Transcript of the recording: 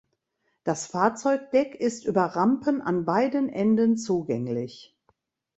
Das Fahrzeugdeck ist über Rampen an beiden Enden zugänglich.